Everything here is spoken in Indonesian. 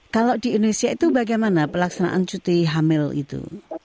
kalau di indonesia itu bagaimana pelaksanaan cuti hamil itu